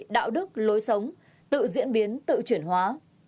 đạo đức lối sống tự diễn biến tự chuyển hóa